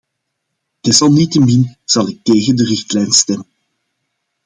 Desalniettemin zal ik tegen de richtlijn stemmen.